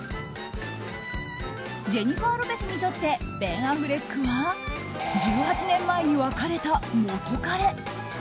ジェニファー・ロペスにとってベン・アフレックは１８年前に別れた元カレ。